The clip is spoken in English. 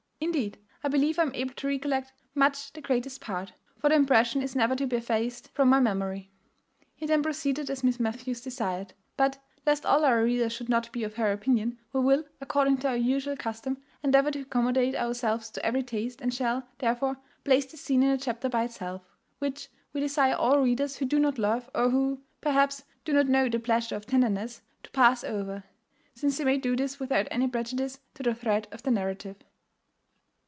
Indeed, I believe I am able to recollect much the greatest part; for the impression is never to be effaced from my memory." He then proceeded as Miss Matthews desired; but, lest all our readers should not be of her opinion, we will, according to our usual custom, endeavour to accommodate ourselves to every taste, and shall, therefore, place this scene in a chapter by itself, which we desire all our readers who do not love, or who, perhaps, do not know the pleasure of tenderness, to pass over; since they may do this without any prejudice to the thread of the narrative.